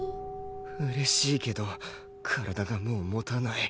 嬉しいけど体がもう持たない